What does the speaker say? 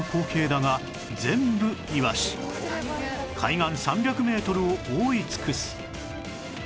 海岸３００メートルを覆い尽くす